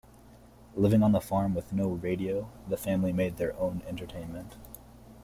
Living on the farm with no radio, the family made their own entertainment.